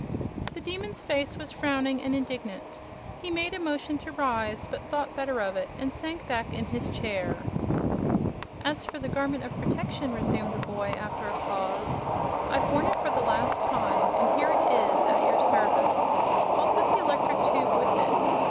The Demon's face was frowning and indignant. He made a motion to rise, but thought better of it and sank back in his chair. "As for the Garment of Protection," resumed the boy, after a pause, "I've worn it for the last time, and here it is, at your service. I'll put the Electric Tube with it.